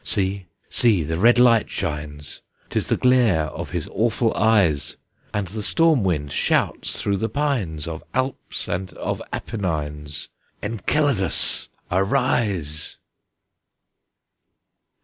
See, see! the red light shines! 'Tis the glare of his awful eyes! And the storm wind shouts through the pines Of Alps and of Apennines, "Enceladus, arise!"